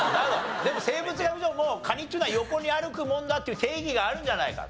でも生物学上もうカニっていうのは横に歩くものだっていう定義があるんじゃないかと。